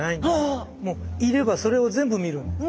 もういればそれを全部見るんです。